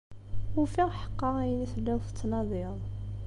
Ufiɣ ḥeqqa ayen i telliḍ tettnadiḍ.